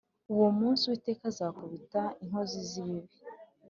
Uwo munsi Uwiteka azakubita inkozi zibibi